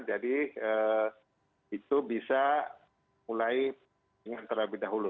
jadi itu bisa mulai dengan terlebih dahulu